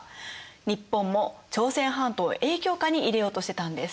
日本も朝鮮半島を影響下に入れようとしてたんです。